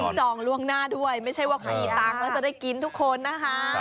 จองล่วงหน้าด้วยไม่ใช่ว่ามีตังค์แล้วจะได้กินทุกคนนะคะ